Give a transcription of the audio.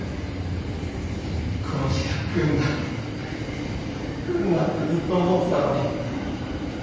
この日が来んな来んなってずっと思ってたのに。